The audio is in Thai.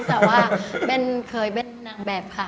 แต่ว่าเบ้นเคยเป็นนางแบบค่ะ